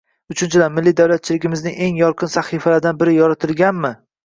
Uchinchidan, milliy davlatchiligimizning eng yorqin sahifalaridan biri yoritilganmi?